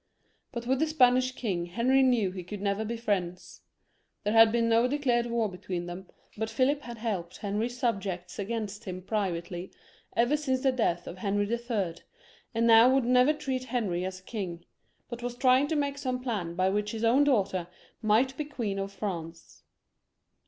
But with the Spanish king Heniy knew he conld never be Mends. There had been no declared war between them, bnt Philip had helped Henry's sabjects against him privately ever since the death of Henry HL, and now would never treat Henry as king, bnt was trying to make some plan by which his own dan^iter might be Qneen of France.